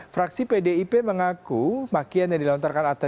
fraksi pdip mengaku makian yang dilontarkan